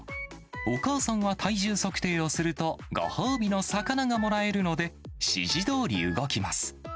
お母さんは体重測定をすると、ご褒美の魚がもらえるので、指示どおり動きます。